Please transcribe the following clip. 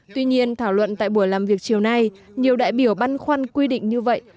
tuy nhiên thảo luận tại buổi làm việc chiều nay nhiều đại biểu băn khoăn quy định như vậy